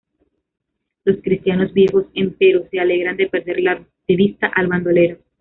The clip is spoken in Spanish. Los cristianos viejos, empero, se alegran de perder de vista al bandolero.